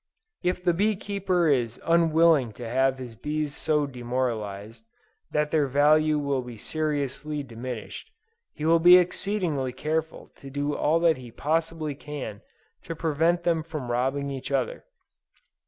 If the bee keeper is unwilling to have his bees so demoralized, that their value will be seriously diminished, he will be exceedingly careful to do all that he possibly can to prevent them from robbing each other.